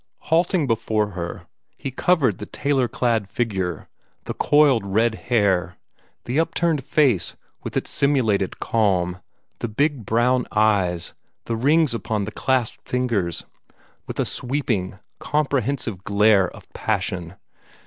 Halting before her, he covered the tailor clad figure, the coiled red hair, the upturned face with its simulated calm, the big brown eyes, the rings upon the clasped fingers, with a sweeping, comprehensive glare of passion.